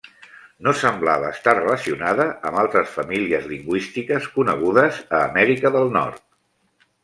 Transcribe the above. No semblava estar relacionada amb altres famílies lingüístiques conegudes a Amèrica del Nord.